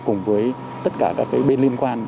cùng với tất cả các bên liên quan